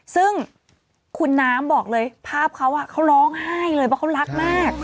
ซึ่งคุณน้ำบอกเลยภาพเขาเขาร้องไห้เลยเพราะเขารักมาก